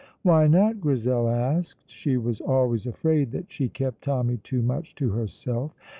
"Why not?" Grizel asked. She was always afraid that she kept Tommy too much to herself.